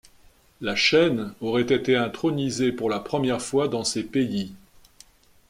La chaîne aurait été intronisée pour la première fois dans ces pays.